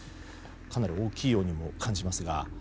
かなり大きいようにも感じますが。